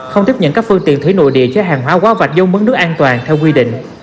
không tiếp nhận các phương tiện thủy nội địa cho hàng hóa quá vạch dâu mấn nước an toàn theo quy định